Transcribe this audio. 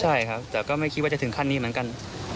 ใช่ครับแต่ก็ไม่คิดว่าจะถึงขั้นนี้เหมือนกัน